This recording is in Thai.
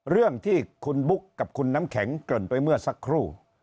เรื่องที่คุณบุ๊คกับคุณน้ำแข็งเกริ่นไปเมื่อสักครู่